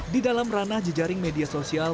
di dalam ranah jejaring media sosial